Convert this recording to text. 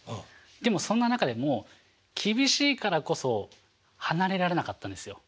でもそんな中でも厳しいからこそ離れられなかったんですよ。